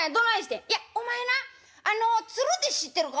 「いやお前なあのつるって知ってるか？」。